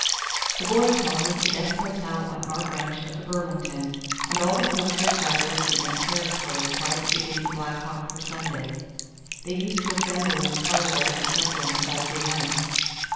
The Boys' Home was the best hotel on our branch of the Burlington, and all the commercial travelers in that territory tried to get into Black Hawk for Sunday. They used to assemble in the parlor after supper on Saturday nights.